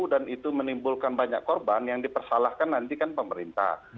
dan itu menimbulkan banyak korban yang dipersalahkan nanti kan pemerintah